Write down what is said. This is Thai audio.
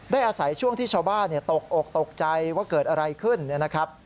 อาศัยช่วงที่ชาวบ้านตกอกตกใจว่าเกิดอะไรขึ้นนะครับ